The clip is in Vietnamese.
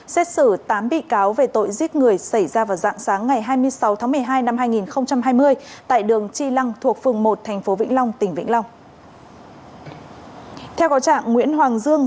xét xử tám bị cáo về tội giết người xảy ra vào dạng sáng ngày hai mươi sáu tháng một mươi hai năm hai nghìn hai mươi tại đường chi lăng thuộc phường một tp vĩnh long tỉnh vĩnh long